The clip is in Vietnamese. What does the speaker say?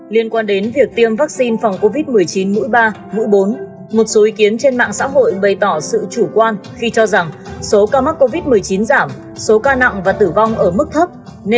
liên quan đến việc tiêm vaccine phòng covid một mươi chín mũi ba mũi bốn một số ý kiến trên mạng xã hội bày tỏ sự chủ quan khi cho rằng số ca mắc covid một mươi chín giảm số ca nặng và tử vong ở mức thấp